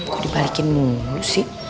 kok dibalikin mulu sih